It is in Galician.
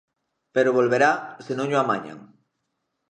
Pero volverá se non llo amañan.